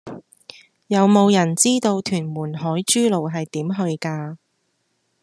有無人知道屯門海珠路係點去㗎